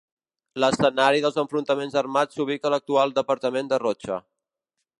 L'escenari dels enfrontaments armats s'ubica a l'actual departament de Rocha.